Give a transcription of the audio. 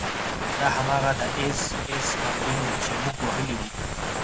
دا هماغه د اېس ایس مامورین وو چې موږ وهلي وو